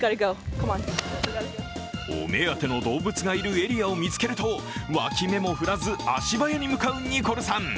お目当ての動物がいるエリアを見つけるとわき目も振らず、足早に向かうニコルさん。